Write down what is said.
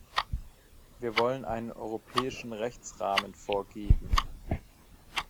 Wir wollen einen europäischen Rechtsrahmen vorgeben.